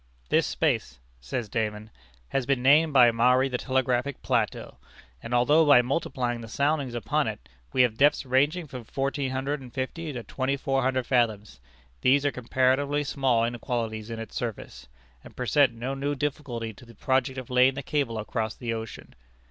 "This space," says Dayman, "has been named by Maury the telegraphic plateau, and although by multiplying the soundings upon it, we have depths ranging from fourteen hundred and fifty to twenty four hundred fathoms, these are comparatively small inequalities in its surface, and present no new difficulty to the project of laying the cable across the ocean.